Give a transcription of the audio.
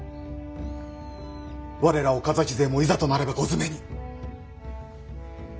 我ら岡崎勢もいざとなれば後詰めに。